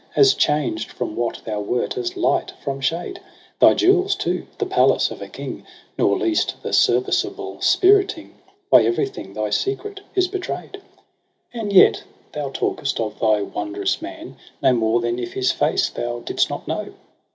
As changed from what thou wert as Ught from shade • Thy jewels, too, the palace of a king. Nor least the serviceable spiriting. By everything thy secret is betray'd : no EROS (3 PSYCHE a; 'And yet thou talkest of thy wondrous man No more than if his face thou didst not know.'